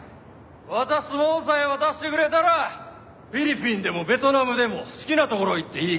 渡すもんさえ渡してくれたらフィリピンでもベトナムでも好きな所行っていいからさ。